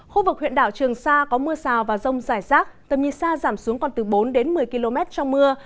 khu vực huyện đảo trường sa có mưa rào và rông rải rác tầm nhìn xa giảm xuống còn từ bốn đến một mươi km trong mưa